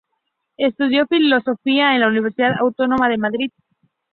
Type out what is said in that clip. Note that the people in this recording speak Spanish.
Estudió Filosofía en la Universidad Autónoma de Madrid.